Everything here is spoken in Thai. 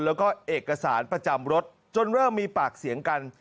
แล้วก็เอกสารประจำรถจนเริ่มมีปากเสียงกัน